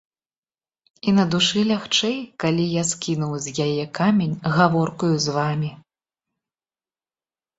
І на душы лягчэй, калі я скінуў з яе камень гаворкаю з вамі.